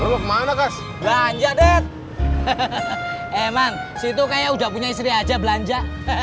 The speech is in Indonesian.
lu kemana kas belanja net hehehe emang situ kayak udah punya istri aja belanja hehehe